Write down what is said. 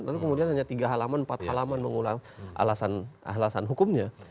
lalu kemudian hanya tiga halaman empat halaman mengulang ahlasan hukumnya